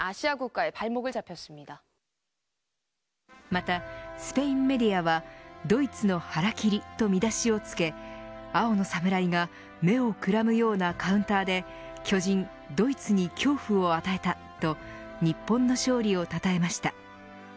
またスペインメディアはドイツの腹切り、と見出しをつけ青の侍が目をくらむようなカウンターで巨人、ドイツに恐怖を与えたと日本の勝利をたたえました。